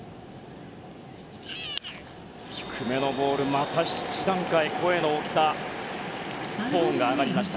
また一段階、声の大きさトーンが上がりました。